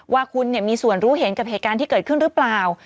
ว่าคุณมีส่วนรู้เห็นกับเหตุการณ์ที่เกิดขึ้นหรือเปล่า